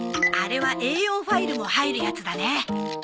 あれはＡ４ファイルも入るやつだね。